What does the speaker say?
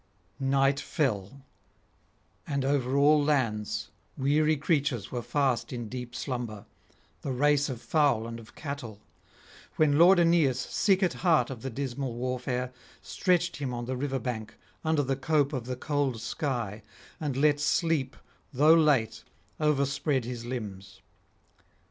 Night fell, and over all lands weary creatures were fast in deep slumber, the race of fowl and of cattle; when lord Aeneas, sick at heart of the dismal warfare, stretched him on the river bank under the cope of the cold sky, and let sleep, though late, overspread his limbs.